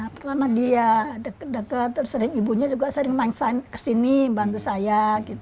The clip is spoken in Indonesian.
pertama dia deket deket terus sering ibunya juga sering main sign kesini bantu saya